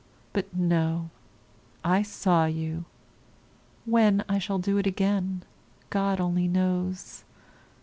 But no, I saw you; when I shall do it again, God only knows!